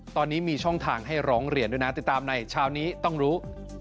ตอนนี้มีช่องทางให้ร้องเรียนด้วยนะติดตามในเช้านี้ต้องรู้